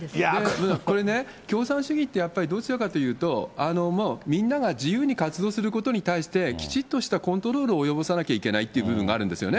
これね、共産主義ってやっぱりどちらかというと、もうみんなが自由に活動することに対して、きちっとしたコントロールを及ぼさなきゃいけないっていう部分があるんですよね。